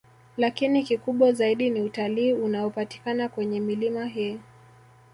Lakini kikubwa zaidi ni utalii unaopatikana kwenye milima hii